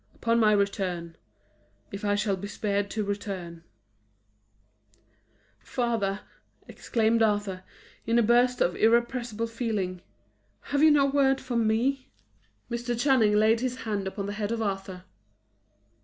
Upon my return if I shall be spared to return " "Father," exclaimed Arthur, in a burst of irrepressible feeling, "have you no word for me?" Mr. Channing laid his hand upon the head of Arthur.